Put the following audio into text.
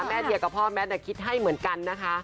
แม่เธอก็พ่อแม่แต่คิดท่านเมื่อกันนะคะ